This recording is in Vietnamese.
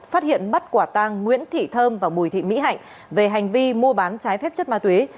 phát hiện bắt quả tang nguyễn thị thơm và bùi thị mỹ hạnh về hành vi mua bán trái phép chất ma túy